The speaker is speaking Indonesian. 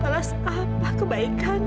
bu kenapa tadi kamu beliau